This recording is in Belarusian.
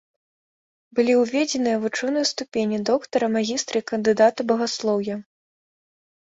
Былі ўведзеныя вучоныя ступені доктара, магістра і кандыдата багаслоўя.